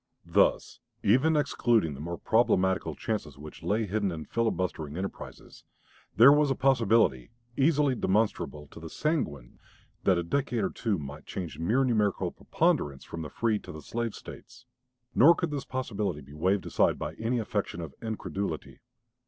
Thus, even excluding the more problematical chances which lay hidden in filibustering enterprises, there was a possibility, easily demonstrable to the sanguine, that a decade or two might change mere numerical preponderance from the free to the slave States. Nor could this possibility be waved aside by any affectation of incredulity.